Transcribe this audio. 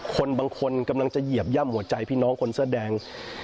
คนบางคนกำลังจะเหยียบย่ำหัวใจพี่น้องคนเสื้อแดง